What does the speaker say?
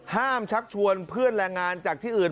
ชักชวนเพื่อนแรงงานจากที่อื่น